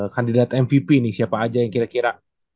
kandidat mvp nih siapa aja yang kira kira